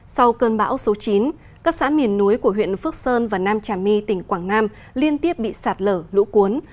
sau cơn bão số chín các xã miền núi của huyện phước sơn và nam trà my tỉnh quảng nam liên tiếp bị sạt lở lũ cuốn